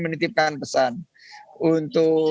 menitipkan pesan untuk